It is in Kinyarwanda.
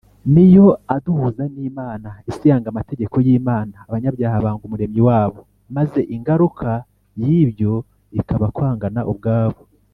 ni yo aduhuza n’imana isi yanga amategeko y’imana; abanyabyaha banga umuremyi wabo; maze ingaruka y’ibyo ikaba kwangana ubwabo